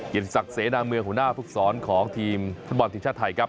ศักดิ์เสนาเมืองหัวหน้าภูกษรของทีมฟุตบอลทีมชาติไทยครับ